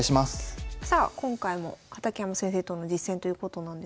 さあ今回も畠山先生との実戦ということなんですが。